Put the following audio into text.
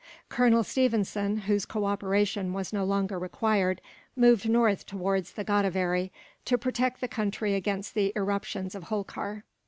Colonel Stephenson, whose cooperation was no longer required, moved north towards the Godavery, to protect the country against the irruptions of Holkar.